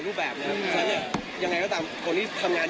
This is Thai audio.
ยืนยันว่ายังรักก็ดีจริงใช่มั้ย